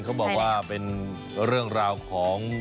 เขาบอกว่าเป็นเรื่องราวของ